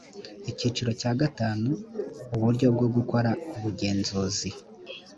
icyiciro cya gatanu uburyo bwo gukora ubugenzuzi